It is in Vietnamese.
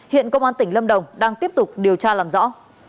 hiện công an tỉnh lâm đồng đang tiếp tục điều tra làm rõ